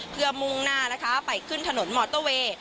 เพื่อมุ่งหน้านะคะไปขึ้นถนนมอเตอร์เวย์